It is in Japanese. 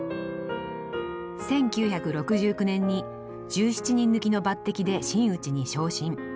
１９６９年に１７人抜きの抜擢で真打ちに昇進。